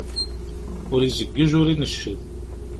Ur izewweǧ, ur inecced.